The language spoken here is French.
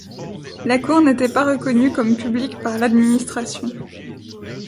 La cour n'était pas reconnue comme publique par l'administration.